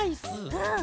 うん。